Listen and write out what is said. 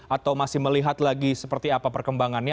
atau masih melihat lagi seperti apa perkembangannya